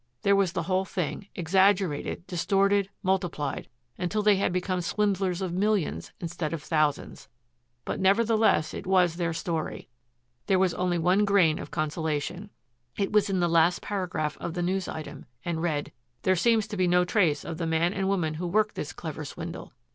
There was the whole thing, exaggerated, distorted, multiplied, until they had become swindlers of millions instead of thousands. But nevertheless it was their story. There was only one grain of consolation. It was in the last paragraph of the news item, and read: "There seems to be no trace of the man and woman who worked this clever swindle.